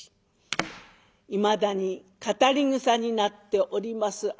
いまだに語りぐさになっております